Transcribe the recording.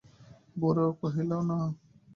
বুড়া কহিল, না।